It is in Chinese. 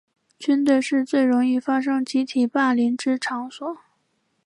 军队是容易发生集体霸凌之场所。